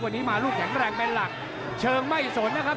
วันนี้มาลูกแข็งแรงเป็นหลักเชิงไม่สนนะครับ